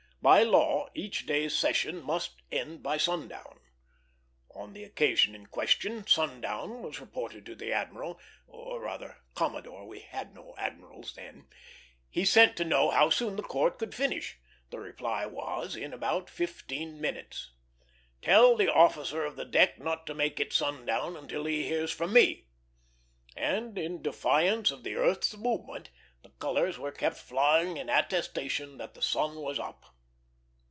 By law, each day's session must end by sundown. On the occasion in question, sundown was reported to the admiral or, rather, commodore; we had no admirals then. He sent to know how soon the court could finish. The reply was, in about fifteen minutes. "Tell the officer of the deck not to make it sundown until he hears from me;" and, in defiance of the earth's movement, the colors were kept flying in attestation that the sun was up.